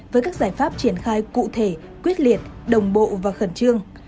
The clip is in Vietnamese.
với các giải pháp triển khai cụ thể quyết liệt đồng bộ và khẩn trương